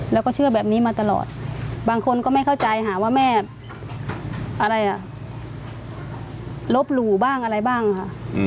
แล้วก็เชื่อแบบนี้มาตลอดบางคนก็ไม่เข้าใจหาว่าแม่อะไรอ่ะลบหลู่บ้างอะไรบ้างค่ะ